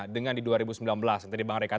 dengan di dua ribu sembilan belas